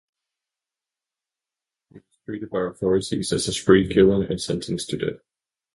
He was treated by authorities as a spree killer and sentenced to death.